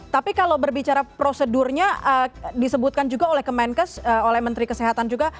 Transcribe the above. tapi kalau berbicara prosedurnya disebutkan juga oleh kemenkes oleh menteri kesehatan juga